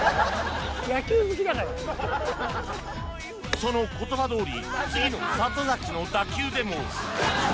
その言葉どおり次の里崎の打球でも